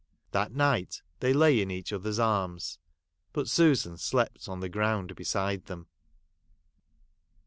That night they lay in each other's arms ; but Susan slept on the ground beside them.